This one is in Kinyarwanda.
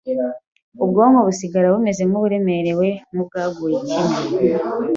Ubwonko busigara bumeze nk’uburemerewe, nk’ubwaguye ikinya.